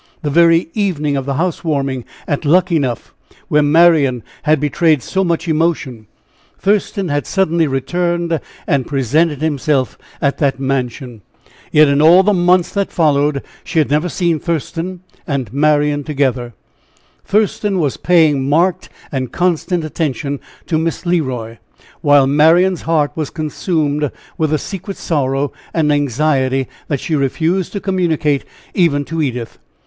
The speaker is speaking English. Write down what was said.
The very evening of the house warming at Luckenough, where Marian had betrayed so much emotion, Thurston had suddenly returned, and presented himself at that mansion. Yet in all the months that followed she had never seen Thurston and Marian together, Thurston was paying marked and constant attention to Miss Le Roy, while Marian's heart was consuming with a secret sorrow and anxiety that she refused to communicate even to Edith.